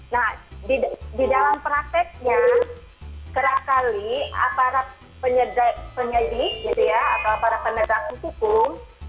nah di dalam prakteknya serapkali aparat penyedik atau aparat penegak hukum